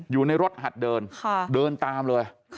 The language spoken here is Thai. อยู่ในรถหัดเดินเดินตามเลย